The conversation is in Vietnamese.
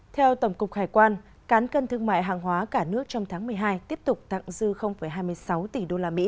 theo tổng cục hải quan cán cân thương mại hàng hóa cả nước trong tháng một mươi hai tiếp tục tặng dư hai mươi sáu tỷ usd